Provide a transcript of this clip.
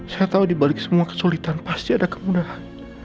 saya tahu dibalik semua kesulitan pasti ada kemudahan